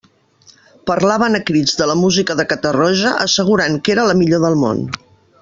Parlaven a crits de la música de Catarroja, assegurant que era la millor del món.